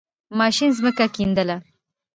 ماشین زَمکه کیندله.